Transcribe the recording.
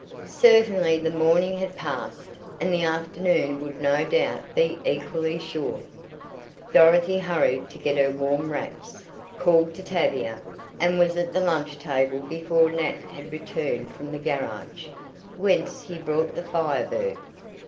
Certainly the morning had passed and the afternoon would no doubt be equally short. Dorothy hurried to get her warm wraps, called to Tavia, and was at the lunch table before Nat had returned from the garage, whence he brought the Fire Bird.